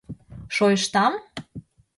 — Шойыштам?